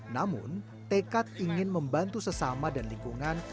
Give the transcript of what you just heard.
namun tekad ingin membantu sesama dan lingkungan